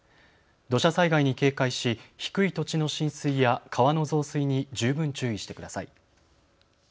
土砂災害に警戒し低い土地の浸水や川の増水に十分注意してください。